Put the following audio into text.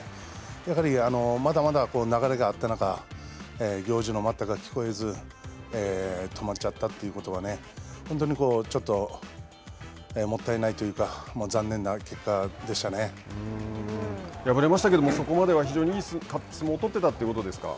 やはりまだまだ流れがあった中行司の待ったが聞こえず、止まっちゃったということはね、本当にちょっともったいないとい敗れましたけどそこまでは非常にいい相撲を取ってたということですか。